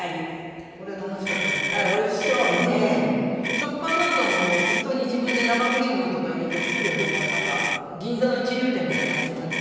食パンなんかも適当に自分で生クリームとか入れて作るようになったらなんか銀座の一流店みたいな味になって。